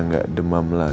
kamu mau sampai mana